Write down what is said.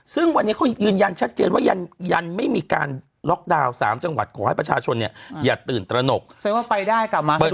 ซึ่งว่าไปได้กลับมาให้ดูแลตัวเองค่ะเปิดได้